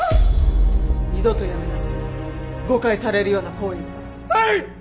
二度とやめなさい誤解されるような行為ははい！